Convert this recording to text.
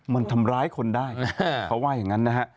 มันทำร้ายคนได้เขาว่าอย่างนั้นนะฮะ